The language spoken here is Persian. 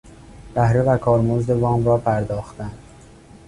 بهره و کارمزد وام را پرداختن